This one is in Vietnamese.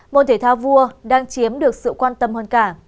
môn thể thao vua đang chiếm được sự quan tâm hơn cả